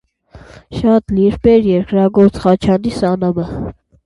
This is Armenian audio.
Շատ լիրբ էր երկրագործ Խաչանի Սանամը.